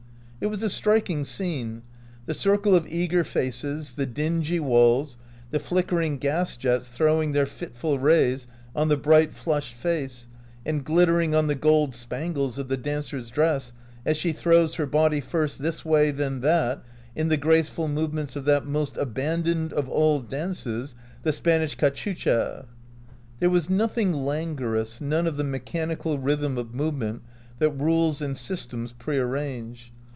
It was a striking scene : the circle of eager faces, the dingy walls, the flickering gas jets throwing their fitful rays on the bright, flushed face, and glittering on the gold spangles of the dancer's dress, as she throws her body, first this way, then that, in the graceful movements of that most abandon of all dances, the Spanish cachucha. There was nothing languorous, none of the mechanical rhythm of movement that rules and systems prearrange.